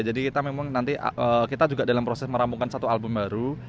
jadi kita memang nanti kita juga dalam proses merambungkan satu album baru